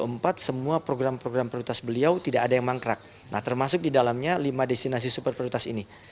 empat semua program program prioritas beliau tidak ada yang mangkrak nah termasuk di dalamnya lima destinasi super prioritas ini